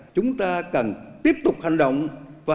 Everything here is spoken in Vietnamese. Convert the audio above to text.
chúng ta cần tiếp tục hành động và hành động